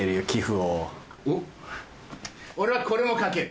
俺はこれも賭ける。